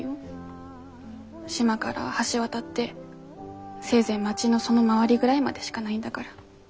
島から橋渡ってせいぜい町のその周りぐらいまでしかないんだから。